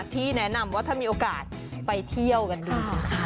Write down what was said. ที่แนะนำว่าถ้ามีโอกาสไปเที่ยวกันดู